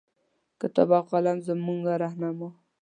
کتاب او قلم زمونږه رهنما